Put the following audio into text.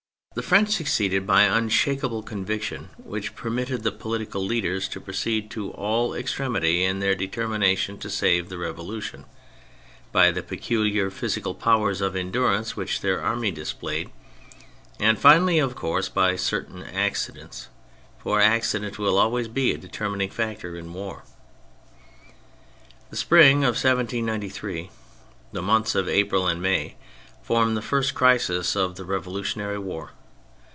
The French succeeded by the 172 THE FRENCH REVOLUTION unshakable conviction which permitted the political leaders to proceed to all extremity in their determination to save the Revolution; by the peculiar physical powers of endurance which their army displayed, and finally, of course, by certain accidents — for accident will always be a determining factor in war. The spring of 1793, the months of April and May, form the first crisis of the revolution ary war.